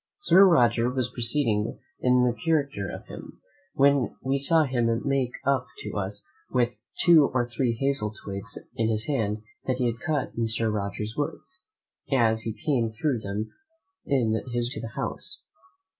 Sir Roger was proceeding in the character of him, when we saw him make up to us with two or three hazel twigs in his hand that he had cut in Sir Roger's woods, as he came through them, in his way to the house.